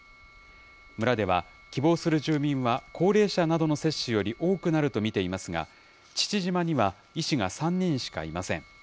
村では、希望する住民は高齢者などの接種より多くなると見ていますが、父島には医師が３人しかいません。